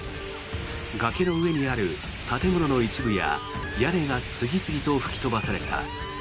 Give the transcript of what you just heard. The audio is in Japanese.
崖の上にある建物の一部や屋根が次々と吹き飛ばされた。